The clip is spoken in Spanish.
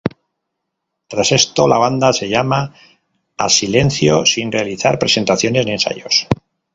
Tras esto la banda se llama a silencio, sin realizar presentaciones ni ensayos.